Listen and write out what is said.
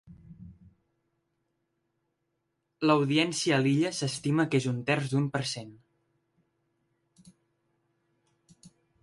L'audiència a l'illa s'estima que és un terç d'un per cent.